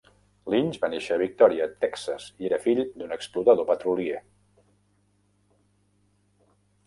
Lynch va néixer a Victoria, Texas, i era fill d'un explotador petrolier.